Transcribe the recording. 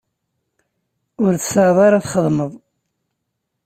Ur tesɛiḍ ara txedmeḍ?